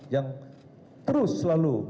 yang terus selalu